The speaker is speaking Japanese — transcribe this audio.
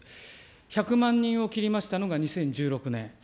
１００万人を切りましたのが２０１６年。